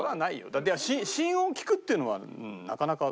心音を聞くっていうのはなかなか。